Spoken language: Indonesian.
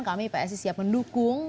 kami psi siap mendukung